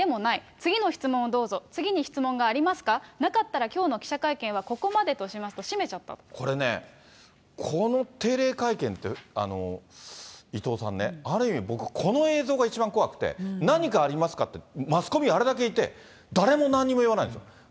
次の質問をどうぞ、次に質問がありますか、なかったら、きょうの記者会見はここまでとしますと、これね、この定例会見って、伊藤さんね、ある意味、僕、この映像が一番怖くて、何かありますかって、マスコミあれだけいて、誰も何も言わないんです。